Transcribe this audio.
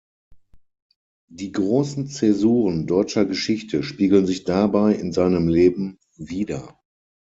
Die großen Zäsuren deutscher Geschichte spiegeln sich dabei in seinem Leben wider.